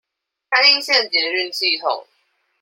三鶯線捷運系統